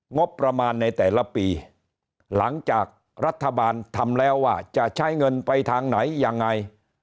งบประมาณในแต่ละปีหลังจากรัฐบาลทำแล้วว่าจะใช้เงินไปทางไหนยังไง